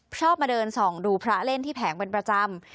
ชอบมาเดินส่องดูพระเล่นที่แผงเป็นประจำ